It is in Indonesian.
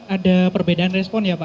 ada perbedaan respon ya pak